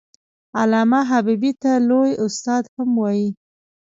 علامه حبيبي ته لوى استاد هم وايي.